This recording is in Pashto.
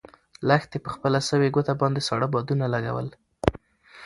لښتې په خپله سوې ګوته باندې ساړه بادونه لګول.